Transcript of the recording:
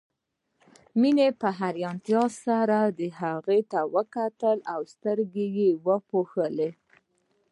مينې په حيرانتيا سره هغوی ته وکتل او سترګې يې ورپولې